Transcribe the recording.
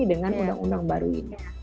dengan undang undang baru ini